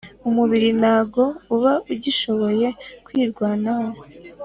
umubiri ntago uba ugishoboye kwirwanaho,